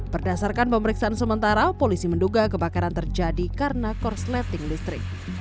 berdasarkan pemeriksaan sementara polisi menduga kebakaran terjadi karena korsleting listrik